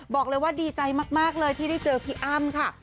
บอกเลยว่าดีใจมากเลยที่ได้เจอพี่อ้ำค่ะ